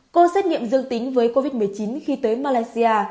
có xét nghiệm dương tính với covid một mươi chín khi tới malaysia